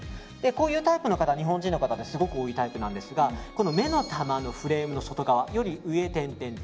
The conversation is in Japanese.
こういうタイプの方は日本人の方ですごく多いタイプなんですが目の玉のフレームの外側より上点々。